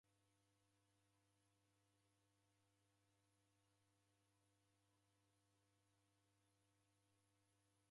Koko binana aw'ai wapo ni ngelo ndacha disededanye?